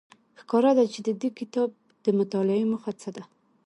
ښکاره ده چې د دې کتاب د مطالعې موخه څه ده.